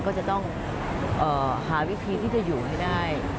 ก็จะต้องหาวิธีที่จะอยู่ให้ได้